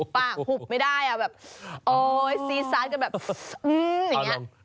ปากหุบไม่ได้อ่ะแบบโอ๊ยซีซาสกันแบบอย่างนี้